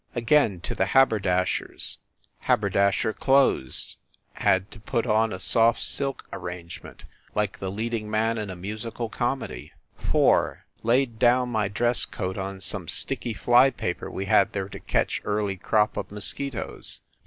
Again to the haberdasher s. Haberdasher closed, had to put oh a soft silk ar rangement, like the leading man in a musical com edy. 4. Laid down my dress coat on some sticky; fly paper we had there to catch early crop of mos quitoes.